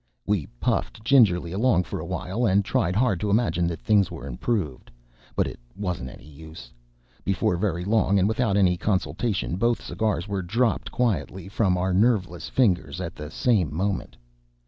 We puffed gingerly along for a while, and tried hard to imagine that things were improved. But it wasn't any use. Before very long, and without any consultation, both cigars were quietly dropped from our nerveless fingers at the same moment.